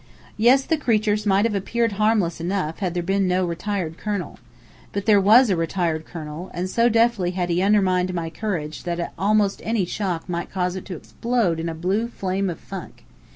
Yes, the creatures might have appeared harmless enough had there been no retired colonel. But there was a retired colonel, and so deftly had he undermined my courage that almost any shock might cause it to explode in a blue flame of funk.